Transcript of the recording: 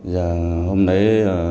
giờ hôm đấy